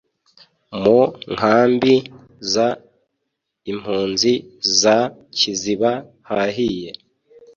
mu nkambi z impunzi za Kiziba hahiye